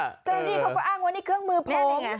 เจ้าหน้าที่เขาก็อ้างว่านี่เครื่องมือแพง